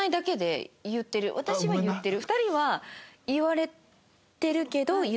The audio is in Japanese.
私は言ってる。